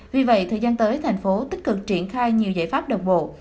vì vậy thời gian tới thành phố tích cực triển khai nhiều giải pháp độc bộ